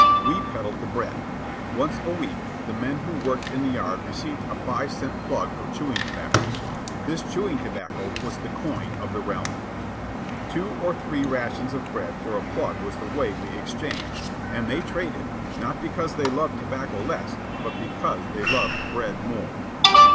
We peddled the bread. Once a week, the men who worked in the yard received a five cent plug of chewing tobacco. This chewing tobacco was the coin of the realm. Two or three rations of bread for a plug was the way we exchanged, and they traded, not because they loved tobacco less, but because they loved bread more.